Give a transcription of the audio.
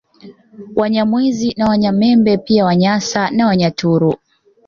Wanyamwezi na Wanyanyembe pia Wanyasa na Wanyaturu